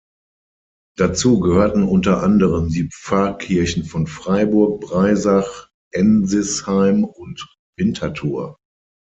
Dazu gehörten unter anderem die Pfarrkirchen von Freiburg, Breisach, Ensisheim und Winterthur.